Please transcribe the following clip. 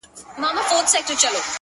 • څلوريځه ـ